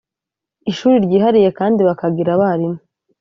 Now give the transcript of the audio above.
ishuri ryihariye kandi bakagira abarimu